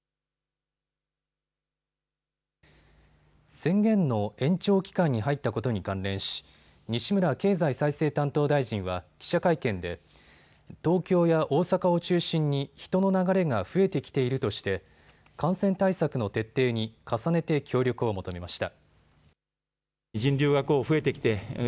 宣言の延長期間に入ったことに関連し西村経済再生担当大臣は記者会見で、東京や大阪を中心に人の流れが増えてきているとして感染対策の徹底に重ねて協力を求めました。